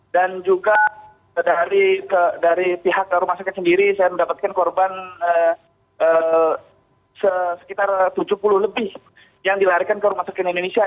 dan juga dari pihak rumah sakit sendiri saya mendapatkan korban sekitar tujuh puluh lebih yang dilarikan ke rumah sakit indonesia